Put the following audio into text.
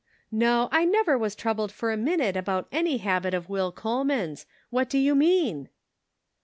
"No, I never was troubled for a minute about any habit of Will Coleman's. What do you mean